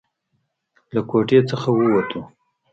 له کوټې څخه ووتو.